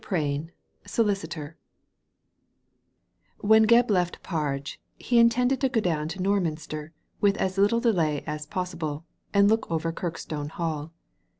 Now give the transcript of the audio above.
PRAIN, SOLICITOR When Gebb left Parge he intended to go down to Norminster with as little delay as possible and look over Kirkstone Hall.